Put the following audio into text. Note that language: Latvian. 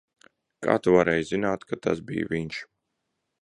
Kā tu varēji zināt, ka tas bija viņš?